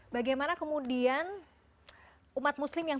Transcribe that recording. bagaimana kemudian umat muslim yang